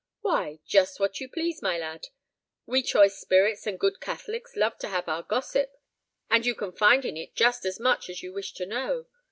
"Why, just what you please, my lad. We choice spirits and good Catholics love to have our gossip, and you can find in it just as much as you wish to know.